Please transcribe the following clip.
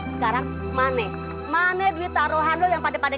sekarang mana duit vlad yang kamu kaget